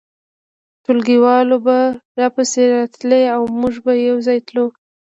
ټولګیوالې به راپسې راتلې او موږ به یو ځای تلو